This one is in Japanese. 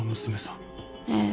ええ。